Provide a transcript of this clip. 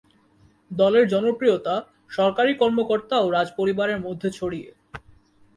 দলের জনপ্রিয়তা সরকারী কর্মকর্তা ও রাজপরিবারের মধ্যে ছড়িয়ে।